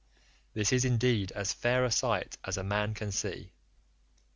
This is indeed as fair a sight as a man can see.